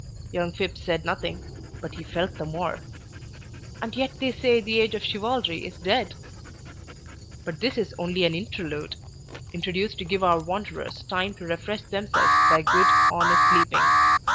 Young Phipps said nothing, but he felt the more. And yet they say the age of chivalry is dead! But this is only an Interlude, introduced to give our wanderers time to refresh themselves by good, honest sleeping.